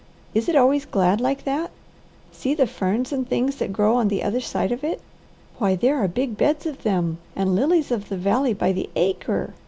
Is it always glad like that? See the ferns and things that grow on the other side of it! Why there are big beds of them. And lilies of the valley by the acre!